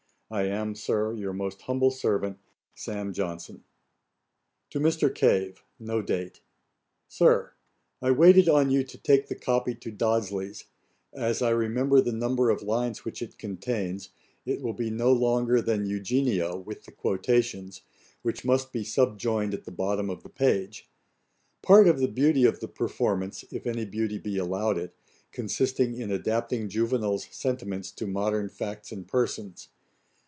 I am, Sir, 'Your most humble servant, 'SAM. JOHNSON.' [Page 122: Mrs. Carter. A.D. 1738.] 'To MR. CAVE. [No date.] 'SIR, 'I waited on you to take the copy to Dodsley's: as I remember the number of lines which it contains, it will be no longer than Eugenio, with the quotations, which must be subjoined at the bottom of the page; part of the beauty of the performance (if any beauty be allowed it) consisting in adapting Juvenal's sentiments to modern facts and persons.